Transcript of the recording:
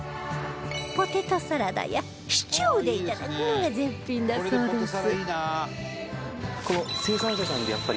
ポテトサラダやシチューでいただくのが絶品だそうです